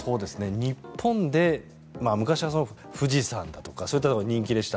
日本で、昔は富士山だとかそういったところが人気でした。